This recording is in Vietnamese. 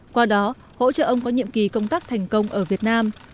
qua đó hỗ trợ ông có nhiệm kỳ công tác thành công ở việt nam